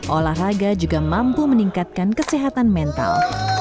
olahraga juga mampu meningkatkan kesehatan mental